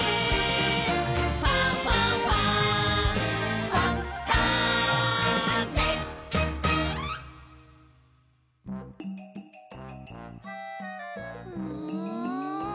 「ファンファンファン」ん。